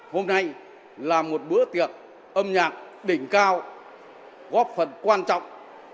hôm nay là một bữa tiệc âm nhạc đỉnh cao góp phần quan trọng